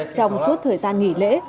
trong suốt thời gian nghỉ lễ